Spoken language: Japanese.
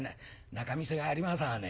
仲見世がありまさぁね。